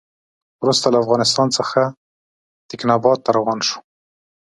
وروسته له افغانستان څخه تکیناباد ته روان شو.